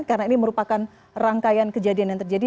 karena ini merupakan rangkaian kejadian yang terjadi